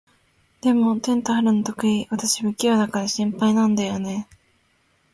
でも、テント張るの得意？私、不器用だから心配なんだよね。